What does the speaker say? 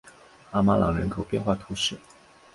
阿马朗人口变化图示